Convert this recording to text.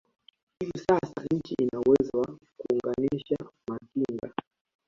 Hivi sasa nchi ina uwezo wa kuunganisha matinga